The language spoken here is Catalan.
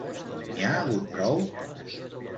N'hi ha hagut prou?